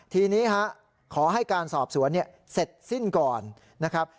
ทีนี้ขอให้การสอบสวนเสร็จสิ้นก่อนนะครับ